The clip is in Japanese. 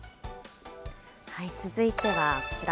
続いては、こちら。